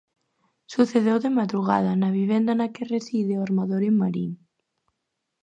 Sucedeu de madrugada na vivenda na que reside o armador en Marín.